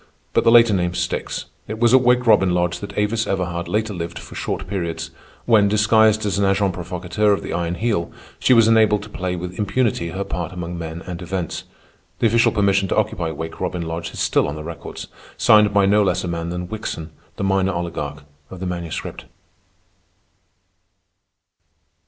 But the later name sticks. It was at Wake Robin Lodge that Avis Everhard later lived for short periods, when, disguised as an agent provocateur of the Iron Heel, she was enabled to play with impunity her part among men and events. The official permission to occupy Wake Robin Lodge is still on the records, signed by no less a man than Wickson, the minor oligarch of the Manuscript.